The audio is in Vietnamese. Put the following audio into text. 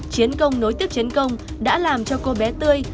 chiến công nối tiếp chiến công đã làm cho cô bé tươi